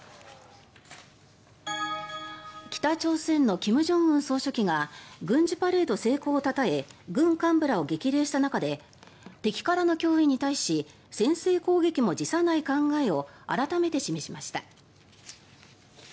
北朝鮮の金正恩総書記が軍事パレード成功をたたえ軍幹部を激励した中で敵からの脅威に対し先制攻撃も辞さない考えを改めて示しました。